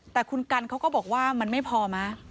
แต่คุณกันเขาก็บอกว่ามันไม่พอมั้ย